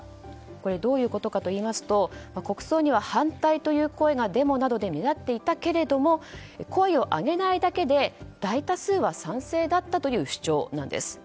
これどういうことかといいますと国葬には反対という声がデモなどで目立っていたけれども声を上げないだけで大多数は賛成だったという主張なんです。